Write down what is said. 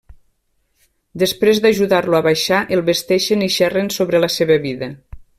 Després d'ajudar-lo a baixar el vesteixen i xerren sobre la seva vida.